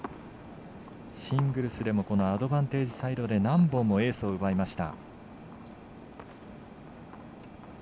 シングルスでもこのアドバンテージサイドで何本もエースを奪いました。